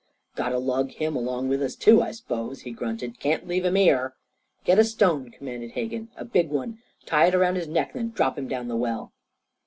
"Got to lug him along with us, too, I s'pose?" he grunted. "Can't leave him here." "Get a stone," commanded Hegan "a big one. Tie it around his neck. Then drop him down the well."